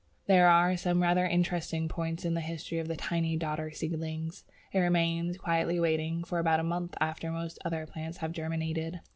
There are some rather interesting points in the history of the tiny dodder seedling. It remains, quietly waiting, for about a month after most other plants have germinated.